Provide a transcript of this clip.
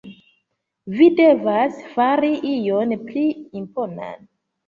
Vi devas fari ion pli imponan.